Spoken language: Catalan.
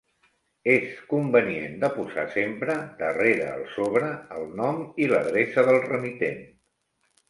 És convenient de posar sempre, darrere el sobre, el nom i l'adreça del remitent.